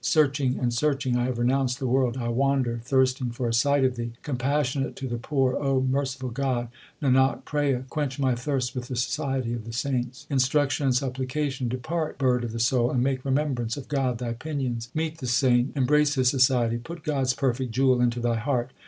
Searching and searching I have renounced the world ; I wander thirsting for a sight of Thee. Compassionate to the poor, O merciful God, Nanak prayeth quench my thirst with the society of the saints. Instruction and supplication : Depart, bird of the soul, and make remembrance of God thy pinions ; Meet the saint, embrace his society, put God s perfect jewel into thy heart.